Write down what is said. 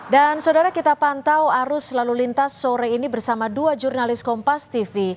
dan saudara kita pantau arus lalu lintas sore ini bersama dua jurnalis kompas tv